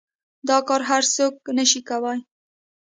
دا کار هر سوک نشي کواى.